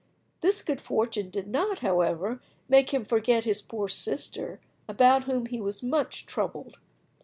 This good fortune did not, however, make him forget his poor sister, about whom he was much troubled.